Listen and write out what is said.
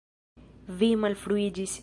Vi malfruiĝis!